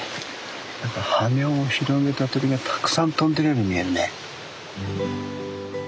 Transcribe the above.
何か羽を広げた鳥がたくさん飛んでるように見えるね。